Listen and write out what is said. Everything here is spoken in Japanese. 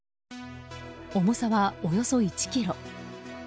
重さはおよそ１ｋｇ。